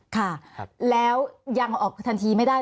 ค่ะแล้วยังออกทันทีไม่ได้